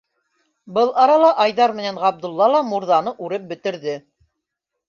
Был арала Айҙар менән Ғабдулла ла мурҙаны үреп бөтөрҙө.